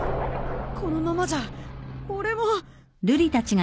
このままじゃ俺も。